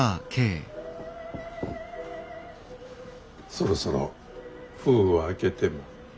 そろそろ封を開けても？